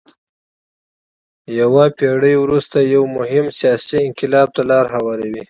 یوه پېړۍ وروسته یو مهم سیاسي انقلاب ته لار هواروي.